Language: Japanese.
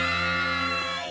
はい！